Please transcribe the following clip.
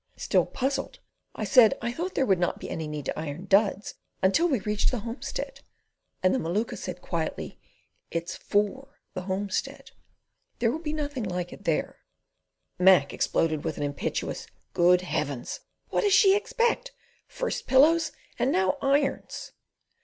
Still puzzled, I said I thought there would not be any need to iron duds until we reached the homestead, and the Maluka said quietly: "It's FOR the homestead. There will be nothing like that there." Mac exploded with an impetuous "Good Heavens! What does she expect? First pillows and now irons!"